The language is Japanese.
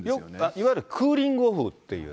いわゆるクーリングオフっていう。